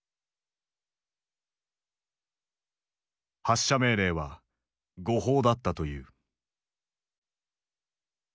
発射命令は誤報だったという。